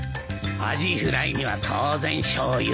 アジフライには当然しょうゆだね。